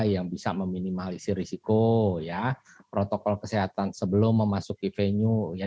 yang bisa meminimalisir risiko protokol kesehatan sebelum memasuki venue